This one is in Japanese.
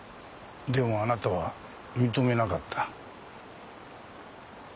でもあなたは認めなかった。